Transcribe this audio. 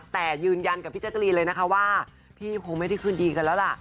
แต่ยืนยันกับพี่แจ๊กรีนเลยนะคะว่าพี่คงไม่ได้คืนดีกันแล้วล่ะ